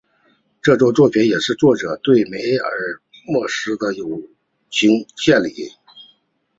这部作品也是作者对梅尔莫兹的友情献礼。